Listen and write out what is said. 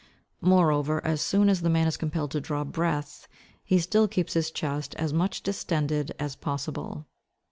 Moreover, as soon as the man is compelled to draw breath, he still keeps his chest as much distended as possible.